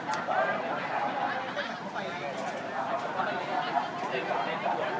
สวัสดีค่ะ